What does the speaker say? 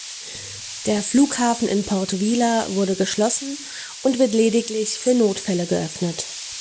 Der Flughafen in Port Vila wurde geschlossen und wird lediglich für Notfälle geöffnet.